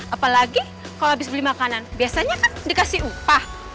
apalagi kalau habis beli makanan biasanya kan dikasih upah